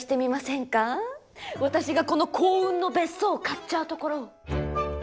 私がこの幸運の別荘を買っちゃうところを。